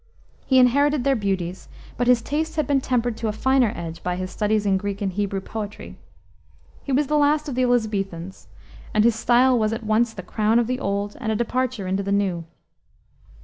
He inherited their beauties, but his taste had been tempered to a finer edge by his studies in Greek and Hebrew poetry. He was the last of the Elisabethans, and his style was at once the crown of the old and a departure into the new.